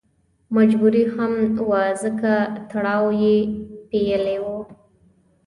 مجبوري هم وه ځکه تړاو یې پېیلی و.